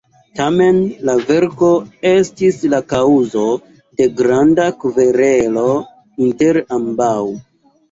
Tamen la verko estis la kaŭzo de granda kverelo inter ambaŭ.